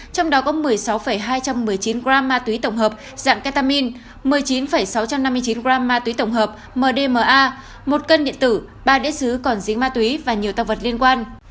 trong đó có một mươi sáu hai trăm một mươi chín gram ma túy tổng hợp dạng ketamin một mươi chín sáu trăm năm mươi chín gram ma túy tổng hợp mdma một cân điện tử ba đĩa xứ còn dính ma túy và nhiều tăng vật liên quan